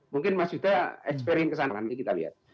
mungkin mas yuda experien kesana nanti kita lihat